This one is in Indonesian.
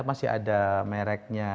masih ada mereknya